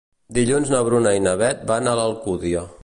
Dilluns na Bruna i na Beth van a l'Alcúdia.